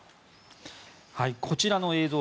こちらの映像